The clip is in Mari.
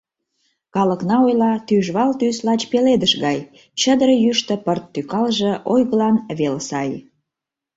Калыкна ойла: тӱжвал тӱс Лач пеледыш гай — Чыдыр йӱштӧ пырт тӱкалже, Ойгылан вел сай.